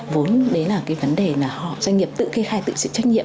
vốn đấy là cái vấn đề là doanh nghiệp tự khai tự sự trách nhiệm